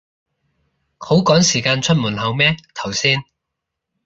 好趕時間出門口咩頭先